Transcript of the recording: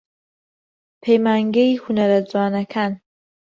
پەیمانگەی هونەرە جوانەکان